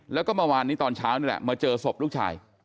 แล้วก็เมื่อวานนี้ตอนเช้านี่แหละมาเจอศพลูกชาย